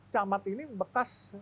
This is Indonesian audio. camat ini bekas